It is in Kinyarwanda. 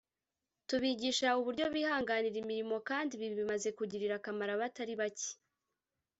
tubigisha uburyo bihangira imirimo kandi ibi bimaze kugirira akamaro abatari bake